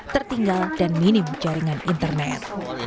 tertinggal dan minim jaringan internet